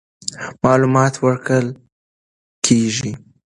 معلومات ورکول کېږي.